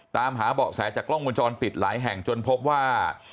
ตามหาเบาะแสจากกล้องวงจรปิดหลายแห่งจนพบว่า